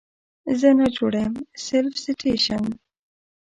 زه ناجوړه یم Self Citation